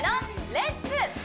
「レッツ！